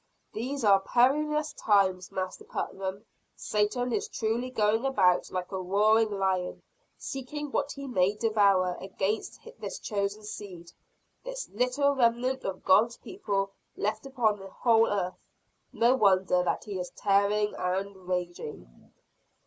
These are perilous times, Master Putnam. Satan is truly going about like a roaring lion, seeking what he may devour. Against this chosen seed, this little remnant of God's people left upon the whole earth no wonder that he is tearing and raging."